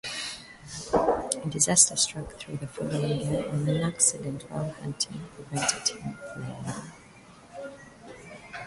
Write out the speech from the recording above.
Disaster struck though the following year when an accident while hunting prevented him playing.